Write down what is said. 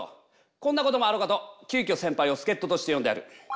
こんなこともあろうかときゅうきょ先輩を助っととして呼んである。